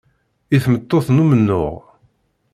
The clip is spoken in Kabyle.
I tmeṭṭut d umennuɣ.